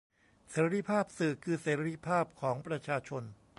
เสรีภาพสื่อคือเสรีภาพของประชาชน